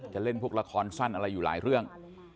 เล่นพวกละครสั้นอะไรอยู่หลายเรื่อง